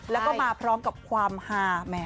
แล้วก็มาพร้อมกับความฮาแหม